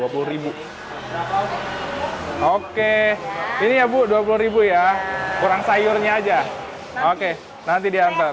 berapa dua puluh ribu oke ini ya bu dua puluh ribu ya kurang sayurnya aja oke nanti diantar